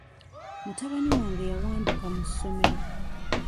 Mutabani wange yawanduka mu ssomero.